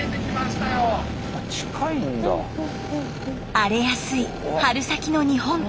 荒れやすい春先の日本海。